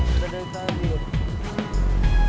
dari tadi doop